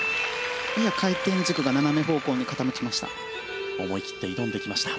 やや回転軸が斜め方向に傾きました。